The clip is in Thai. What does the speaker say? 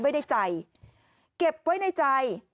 ไว้ในใจ